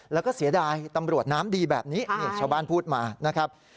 แล้วก็เสียดายตำรวจน้ำดีแบบนี้นี่ชาวบ้านพูดมานะครับ